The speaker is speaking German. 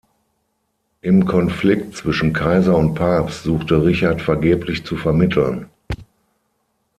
Im Konflikt zwischen Kaiser und Papst suchte Richard vergeblich zu vermitteln.